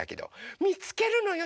みつけるのよ！